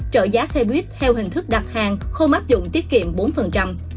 trợ giá xe buýt theo hình thức đặt hàng không áp dụng tiết kiệm bốn